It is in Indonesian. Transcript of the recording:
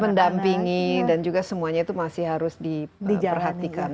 mendampingi dan juga semuanya itu masih harus diperhatikan